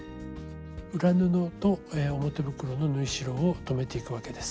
裏布と表袋の縫い代を留めていくわけです。